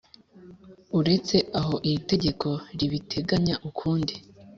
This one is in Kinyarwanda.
Uretse aho iri tegeko ribiteganya ukundi